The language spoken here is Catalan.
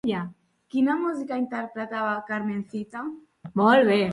Quina música interpretava Carmencita?